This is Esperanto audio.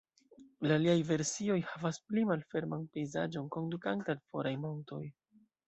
La aliaj versioj havas pli malferman pejzaĝon, kondukante al foraj montoj.